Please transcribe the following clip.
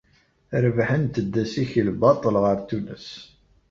Rebḥent-d assikel baṭel ɣer Tunes.